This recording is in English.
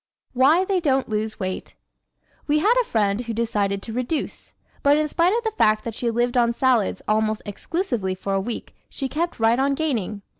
Why They Don't Lose Weight ¶ We had a friend who decided to reduce. But in spite of the fact that she lived on salads almost exclusively for a week she kept right on gaining.